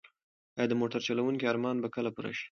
ایا د موټر چلونکي ارمان به کله پوره شي؟